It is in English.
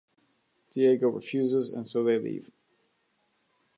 Diego refuses and so they leave.